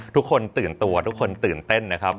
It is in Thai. ทุกคนตื่นตัวทุกคนตื่นเต้นนะครับ